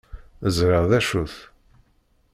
Ẓṛiɣ d acu-t.